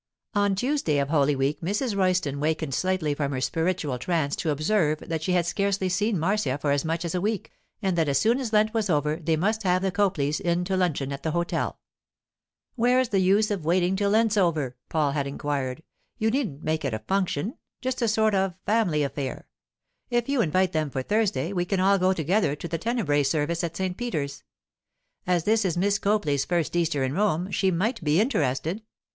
On Tuesday of Holy Week Mrs. Royston wakened slightly from her spiritual trance to observe that she had scarcely seen Marcia for as much as a week, and that as soon as Lent was over they must have the Copleys in to luncheon at the hotel. 'Where's the use of waiting till Lent's over?' Paul had inquired. 'You needn't make it a function. Just a sort of—family affair. If you invite them for Thursday, we can all go together to the tenebræ service at St. Peter's. As this is Miss Copley's first Easter in Rome, she might be interested.